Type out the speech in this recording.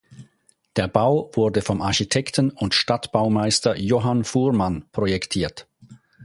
Der Bau wurde vom Architekten und Stadtbaumeister Johann Fuhrmann projektiert.